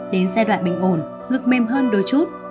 đến giai đoạn bình ổn ngược mềm hơn đôi chút